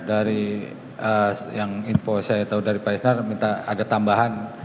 dari yang info saya tahu dari pak isnar minta ada tambahan